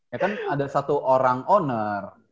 ya kan ada satu orang owner